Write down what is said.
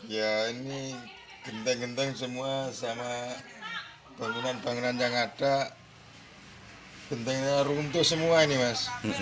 ya ini genteng genteng semua sama bangunan bangunan yang ada gentengnya runtuh semua ini mas